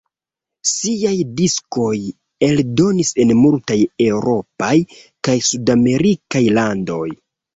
Siaj diskoj eldonis en multaj eŭropaj kaj sudamerikaj landoj.